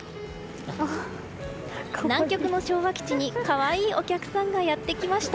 南極の昭和基地に可愛いお客さんがやってきました。